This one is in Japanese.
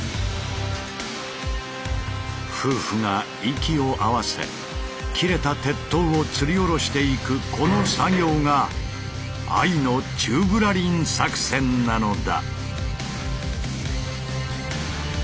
夫婦が息を合わせ切れた鉄塔をつり下ろしていくこの作業が愛の宙ぶらりん作戦なのだ！